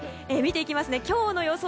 今日の予想